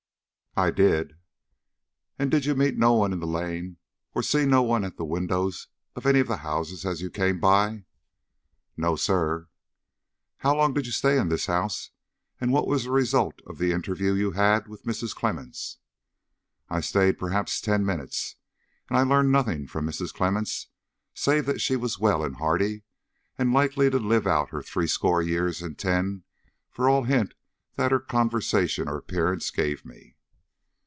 "I did." "And did you meet no one in the lane, or see no one at the windows of any of the houses as you came by?" "No, sir." "How long did you stay in this house, and what was the result of the interview which you had with Mrs. Clemmens?" "I stayed, perhaps, ten minutes, and I learned nothing from Mrs. Clemmens, save that she was well and hearty, and likely to live out her threescore years and ten for all hint that her conversation or appearance gave me."